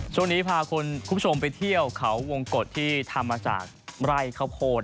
ช่วงนี้พาคุณผู้ชมไปเที่ยวเขาวงกฎที่ทำมาจากไร่ข้าวโพด